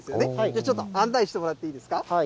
ちょっと案内してもらっていいですか。